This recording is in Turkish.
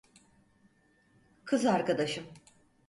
Kız arkadaşım.